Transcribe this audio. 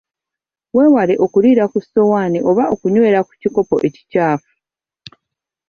Weewale okuliira ku ssowaani oba okunywera ku kikopo ekikyafu.